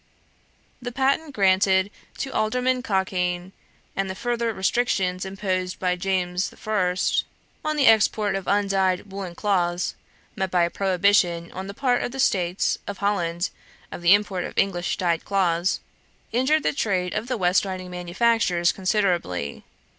The patent granted to Alderman Cockayne, and the further restrictions imposed by James I. on the export of undyed woollen cloths (met by a prohibition on the part of the States of Holland of the import of English dyed cloths), injured the trade of the West Riding manufacturers considerably.